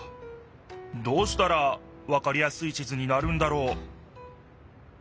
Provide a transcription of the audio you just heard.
どうしたらわかりやすい地図になるんだろう？